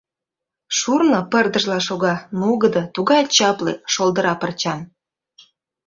Шурно пырдыжла шога, нугыдо, тугай чапле, шолдыра пырчан.